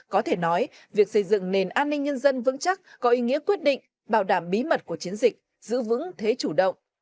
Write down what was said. có thể nói việc xây dựng nền an ninh nhân dân vững chắc có ý nghĩa quyết định bảo đảm bí mật của chiến dịch giữ vững thế chủ động